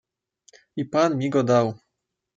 "I pan mi go dał."